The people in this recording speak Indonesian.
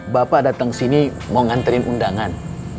bapak datang sini mau nganterin undangan